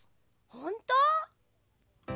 ほんと？